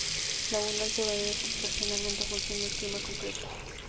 La abundancia varía regionalmente y en función del clima concreto.